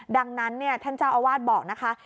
ดังนั้นท่านเจ้าอาวาสบอกนะคะ